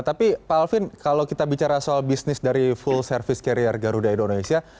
tapi pak alvin kalau kita bicara soal bisnis dari full service carrier garuda indonesia